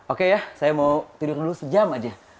oke ya saya mau tidur dulu satu jam aja